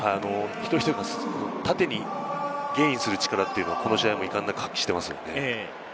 一人一人が縦にゲインする力というのはこの試合もいかんなく発揮しています。